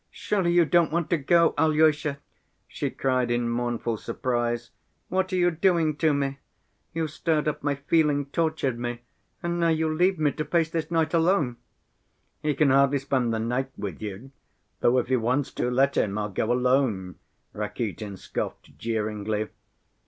"Surely you don't want to go, Alyosha!" she cried, in mournful surprise. "What are you doing to me? You've stirred up my feeling, tortured me, and now you'll leave me to face this night alone!" "He can hardly spend the night with you! Though if he wants to, let him! I'll go alone," Rakitin scoffed jeeringly.